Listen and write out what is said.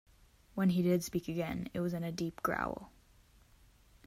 When he did speak again, it was in a deep growl.